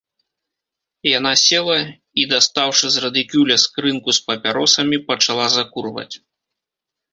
Яна села і, дастаўшы з рыдыкюля скрынку з папяросамі, пачала закурваць.